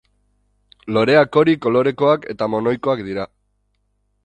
Loreak hori kolorekoak eta monoikoak dira.